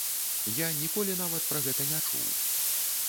Я ніколі нават пра гэта не чуў.